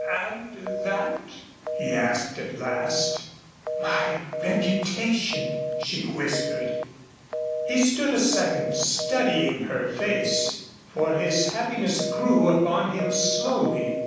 "And that?" he asked at last. "My reputation," she whispered. He stood a second studying her face, for his happiness grew upon him slowly.